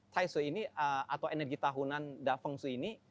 taisho ini atau energi tahunan dafengshu ini